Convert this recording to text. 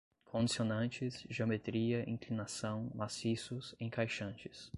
condicionantes, geometria, inclinação, maciços, encaixantes